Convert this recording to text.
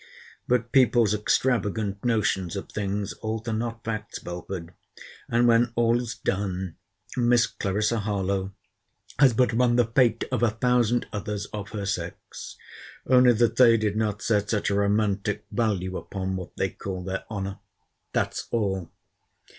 But people's extravagant notions of things alter not facts, Belford: and, when all's done, Miss Clarissa Harlowe has but run the fate of a thousand others of her sex—only that they did not set such a romantic value upon what they call their honour; that's all.